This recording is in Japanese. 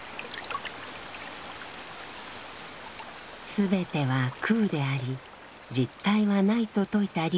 「すべては空であり実体はない」と説いた龍樹。